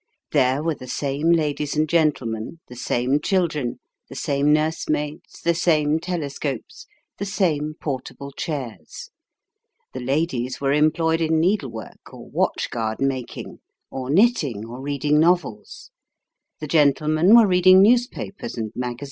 There were the same ladies and gentlemen, the same children, the same nursemaids, the same telescopes, the same portable chairs. The ladies were employed in needlework, or watch guard making, or knitting, or reading novels ; the gentlemen were reading newspapers and maga Wonders of the Sea shore.